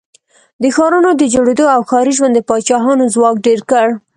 د ښارونو د جوړېدو او ښاري ژوند د پاچاهانو ځواک ډېر کړ.